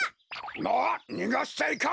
あっにがしちゃいかん！